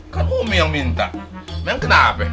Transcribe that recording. kan umi yang minta memang kenapa